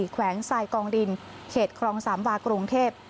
แขวงทรายกองดินเขตครองสามวากรุงเทพ